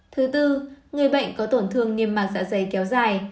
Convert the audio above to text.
thứ tư người bệnh có tổn thương niêm mạc dạ dày kéo dài